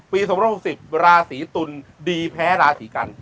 ๒๖๐ราศีตุลดีแพ้ราศีกัน